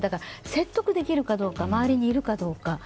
説得できるかどうか周りにいるかどうか。